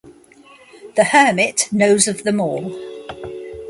The Hermit knows of them all.